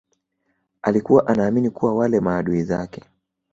alikuwa anaamini kuwa wale maadui zake